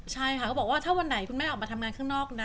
ใช่ค่ะก็บอกว่าถ้าวันไหนคุณแม่ออกมาทำงานข้างนอกนะ